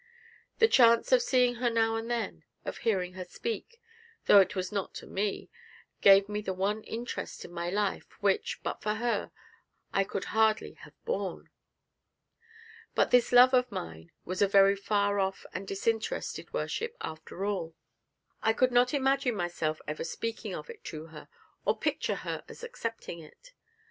The chance of seeing her now and then, of hearing her speak though it was not to me gave me the one interest in my life, which, but for her, I could hardly have borne. But this love of mine was a very far off and disinterested worship after all. I could not imagine myself ever speaking of it to her, or picture her as accepting it.